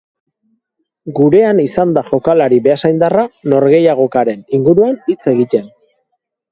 Gurean izan da jokalari beasaindarra norgehiagokaren inguruan hitz egiten.